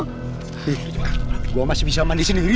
gue masih bisa mandi sendiri